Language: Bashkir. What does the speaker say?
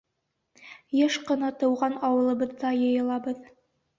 Йыш ҡына тыуған ауылыбыҙҙа йыйылабыҙ.